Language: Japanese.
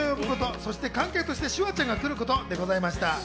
そして観客としてシュワちゃんが来ることでした。